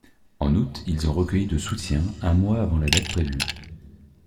En août, ils ont recueilli de soutien, un mois avant la date prévue.